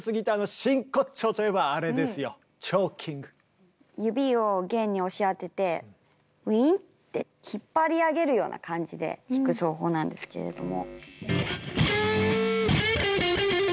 さあそして指を弦に押し当ててウィンって引っ張り上げるような感じで弾く奏法なんですけれども。